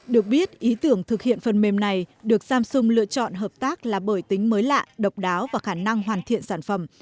được biết ý tưởng thực hiện phần mềm này được samsung lựa chọn hợp tác là bởi tính mới lạ độc đáo và khả năng hoàn thiện sản phẩm